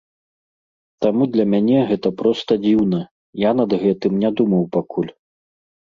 Таму для мяне гэта проста дзіўна, я над гэтым не думаў пакуль.